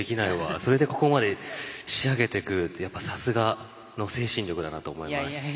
それでここまで仕上げてくるってさすがの精神力だなと思います。